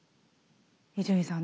伊集院さん